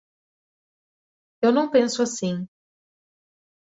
Eu não penso assim.